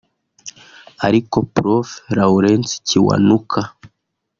Ariko Prof Lawrence Kiwanuka